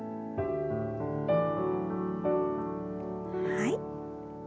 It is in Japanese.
はい。